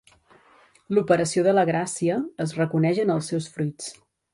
L'operació de la gràcia es reconeix en els seus fruits.